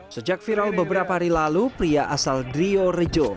sejak viral beberapa hari lalu pria asal drio rejo